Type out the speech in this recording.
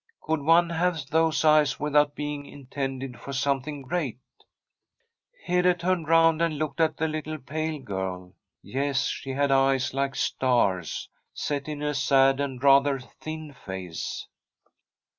Could one have those eyes without being intended for something great ? Hede turned round and looked at the little pale girl. Yes, she had eyes like stars, set in a sad and rather thin face.